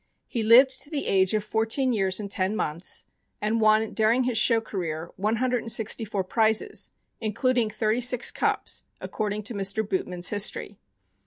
He lived to the age of fourteen years and ten months, and won during his show career 164 prizes, including thirty six cups, according to Mr. Bootman's history.